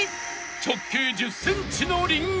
直径１０ｃｍのリンゴ］